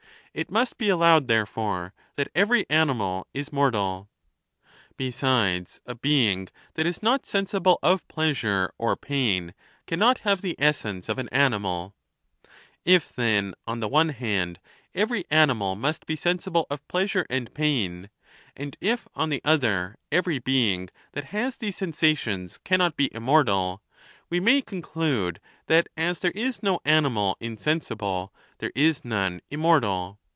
It must be allowed, therefore, that every animal is mortal. Besides, a being that is not sensible of pleasure or pain cannot have the essence of an animal ; if, then, on the one hand, every animal must be sensible of pleasure and pain, and if, on the other, every being that has these sensations cannot be immortal, we may conclude that as there is no animal insensible, there is none immortal.